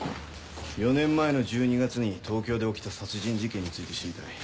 ４年前の１２月に東京で起きた殺人事件について知りたい。